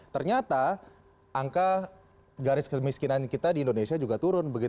ternyata angka garis kemiskinan kita di indonesia juga turun